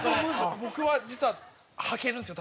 僕は実は履けるんですよ